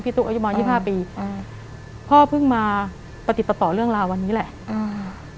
พี่ตุ๊กอาจมนต์๒๕ปีอืมพ่อเพิ่งมาปฏิติต่อเรื่องราววันนี้แหละอืม